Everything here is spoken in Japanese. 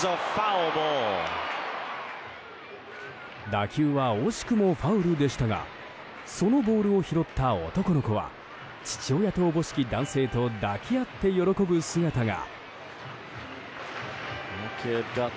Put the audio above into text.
打球は惜しくもファウルでしたがそのボールを拾った男の子は父親とおぼしき男性と抱き合って喜ぶ姿が。